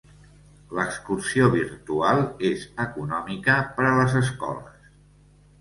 L'excursió virtual és econòmica per a les escoles.